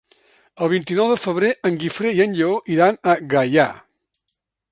El vint-i-nou de febrer en Guifré i en Lleó iran a Gaià.